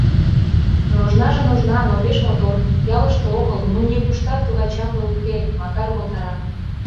— Нужнаже нужна, но пеш мотор, ялыште огыл, ну, нигуштат тугай чапле уке, — Макар умылтара.